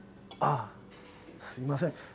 ああすいません。